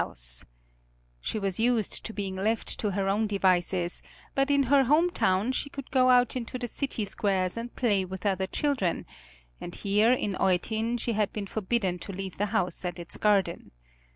She was used to being left to her own devices, but in her home town she could go out into the city squares and play with other children, and here in Eutin she had been forbidden to leave the house and its garden.